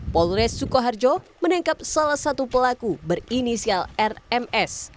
polres sukoharjo menangkap salah satu pelaku berinisial rms